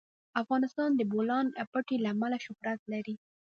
افغانستان د د بولان پټي له امله شهرت لري.